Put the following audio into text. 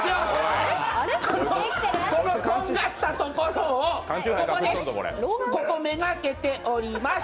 とんがったところをここめがけて折ります。